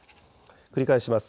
繰り返します。